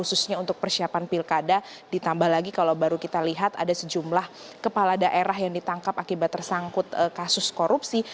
khususnya untuk persiapan pilkada ditambah lagi kalau baru kita lihat ada sejumlah kepala daerah yang ditangkap akibat tersangkut kasus korupsi